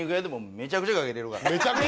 「めちゃくちゃかけてる」？